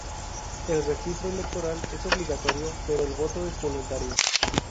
El registro electoral es obligatorio, pero el voto es voluntario.